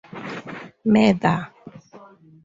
Murder!